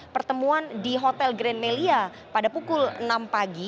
pertemuan di hotel grenmelia pada pukul enam pagi